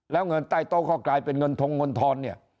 แล้วเงินใต้โต๊ะก็กลายเป็นเงินทงเงินทอนเนี่ย